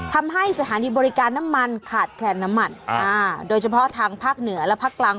ทำให้สถานีบริการน้ำมันขาดแคนน้ำมันอ่าโดยเฉพาะทางภาคเหนือและภาคกลาง